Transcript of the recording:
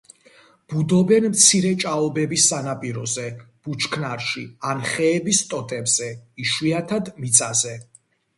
ბუდობენ მცირე ჭაობების სანაპიროზე, ბუჩქნარში ან ხეების ტოტებზე, იშვიათად მიწაზე.